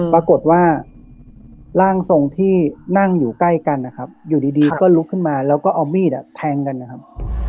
ปรากฏว่าร่างทรงที่นั่งอยู่ใกล้กันนะครับอยู่ดีก็ลุกขึ้นมาแล้วก็เอามีดแทงกันนะครับ